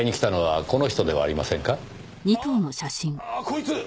こいつ！